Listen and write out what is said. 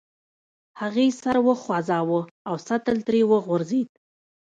هغې سر وخوزاوه او سطل ترې وغورځید.